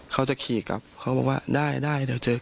เค้าจะขี่กลับเค้าบอกว่าได้เดี๋ยวเจอกัน